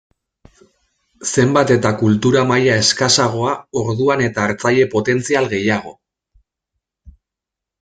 Zenbat eta kultura maila eskasagoa orduan eta hartzaile potentzial gehiago.